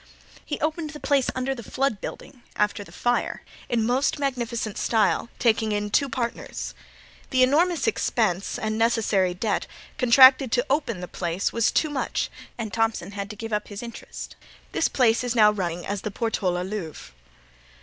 He opened the place under the Flood building, after the fire, in most magnificent style, taking in two partners. The enormous expense and necessary debt contracted to open the place was too much and Thompson had to give up his interest. This place is now running as the Portola Louvre.